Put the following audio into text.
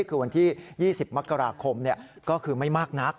คือวันที่๒๐มกราคมก็คือไม่มากนัก